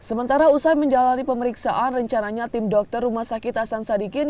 sementara usai menjalani pemeriksaan rencananya tim dokter rumah sakit hasan sadikin